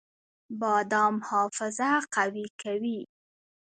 بادام حافظه قوي کوي